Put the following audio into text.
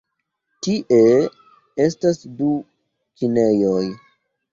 Tie estas du kinejoj.